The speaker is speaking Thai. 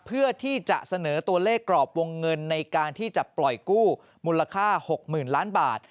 เพื่อที่จะเสนอตัวเลขกรอบวงเงินในการที่จะปล่อยกู้มูลค่า๖๐๐๐ล้านบาท